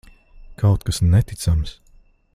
Kaut kas neticams.